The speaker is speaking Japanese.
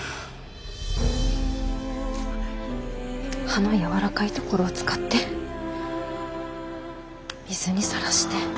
葉のやわらかいところを使って水にさらして。